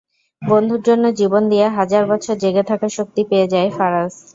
বন্ধুর জন্য জীবন দিয়ে হাজার বছর জেগে থাকার শক্তি পেয়ে যায় ফারাজ।